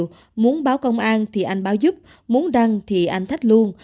thì anh chịu muốn báo công an thì anh báo giúp muốn đăng thì anh thách luôn